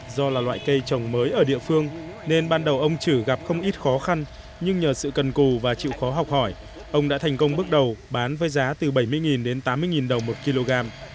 do là loại cây trồng mới ở địa phương nên ban đầu ông chử gặp không ít khó khăn nhưng nhờ sự cần cù và chịu khó học hỏi ông đã thành công bước đầu bán với giá từ bảy mươi đến tám mươi đồng một kg